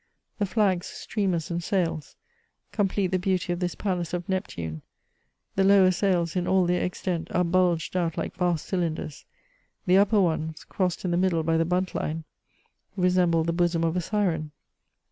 The flags, streamers, and sails, complete the beauty of this palace of Neptune ; the lower sails, in all their extent, are bulged out like vast cylinders ; the upper ones, crossed in the middle by the buntline, resemble VOL.. I. 8 238 MEMOIRS OF the bosom of a Siren.